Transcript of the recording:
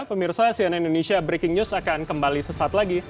pemirsa cnn indonesia breaking news akan kembali sesaat lagi